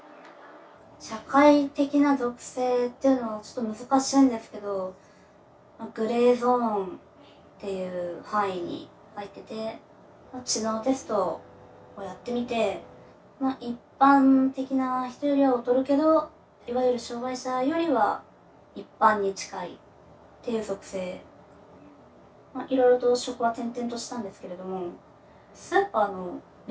社会的な属性っていうのもちょっと難しいんですけど「グレーゾーン」っていう範囲に入ってて知能テストをやってみて一般的な人よりは劣るけどいわゆる障害者よりは一般に近いっていう属性。っていうことを言われたり。